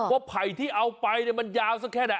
ว่าไผ่ที่เอาไปเนี้ยมันยาวซะแค่ไหน